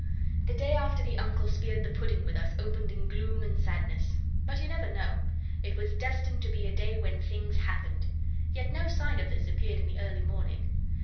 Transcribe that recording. The day after the Uncle speared the pudding with us opened in gloom and sadness. But you never know. It was destined to be a day when things happened. Yet no sign of this appeared in the early morning.